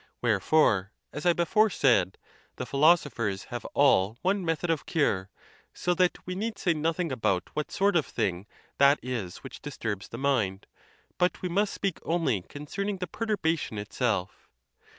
Wherefore, as I before said, the philosophers have all one method of cure, so that we need say nothing about what sort of thing that is which disturbs the mind, Yd ' 154 THE TUSCULAN DISPUTATIONS. 'but we must speak only concerning the perturbation itself.